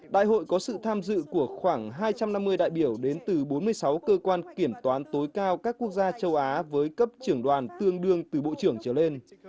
đại hội có sự tham dự của khoảng hai trăm năm mươi đại biểu đến từ bốn mươi sáu cơ quan kiểm toán tối cao các quốc gia châu á với cấp trưởng đoàn tương đương từ bộ trưởng trở lên